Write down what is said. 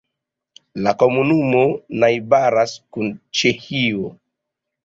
La komunumo najbaras kun Ĉeĥio.